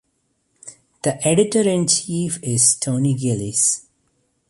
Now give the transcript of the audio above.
The editor-in-chief is Tony Gillies.